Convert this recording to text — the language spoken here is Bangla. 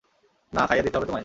না, খাইয়ে দিতে হবে তোমায়।